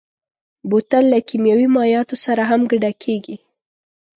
بوتل له کيمیاوي مایعاتو سره هم ډکېږي.